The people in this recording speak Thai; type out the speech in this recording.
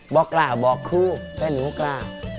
บอกราบบอกคลุกและหนูกล้าบ